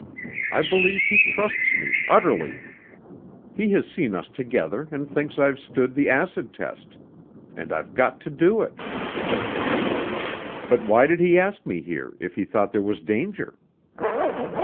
I believe he trusts me utterly. He has seen us together and thinks I've stood the acid test and I've got to do it." "But why did he ask me here, if he thought there was danger?"